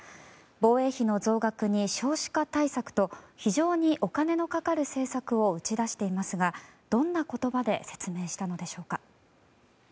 防衛費の増額に少子化対策と非常にお金のかかる政策を打ち出していますがどんな言葉で説明したのでしょうか。